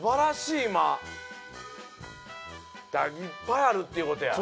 いっぱいあるっていうことや。